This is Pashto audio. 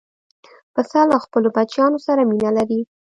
پسه له خپلو بچیانو سره مینه لري.